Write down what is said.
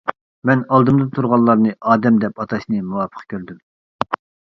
مەن ئالدىمدا تۇرغانلارنى ئادەم دەپ ئاتاشنى مۇۋاپىق كۆردۈم.